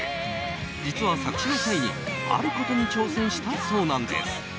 実は作詞の際にあることに挑戦したそうなんです。